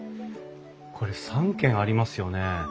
これ３間ありますよね？